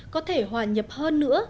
có thể hòa nhập hơn nữa